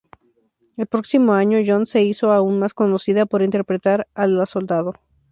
El próximo año, Jones se hizo aún más conocida por interpretar a la soldado.